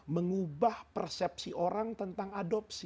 mengubah persepsi orang tentang adopsi